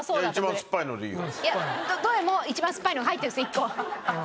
いやどれも一番すっぱいのは入ってるんです１個。